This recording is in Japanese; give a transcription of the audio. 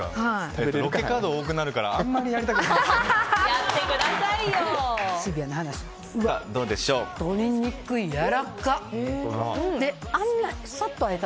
ロケ稼働が多くなるからあんまりやりたくない。